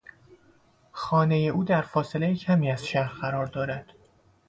خانهی او در فاصلهی کمی از شهر قرار دارد.